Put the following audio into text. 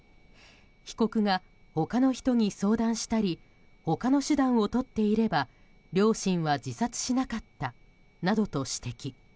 被告が他の人に相談したり他の手段をとっていれば両親は自殺しなかったなどと指摘。